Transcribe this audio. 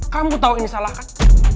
kamu tahu ini salah kan